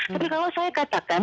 tapi kalau saya katakan